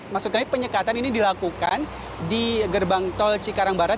maksudnya penyegatan ini dilakukan di gerbang tol cikarang barat